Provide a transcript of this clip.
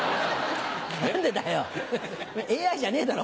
何でだよＡＩじゃねえだろ。